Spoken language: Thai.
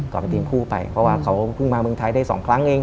เอาไปตีนคู่ไปเพราะว่าเขาเพิ่งมาเมืองไทยได้สองครั้งเอง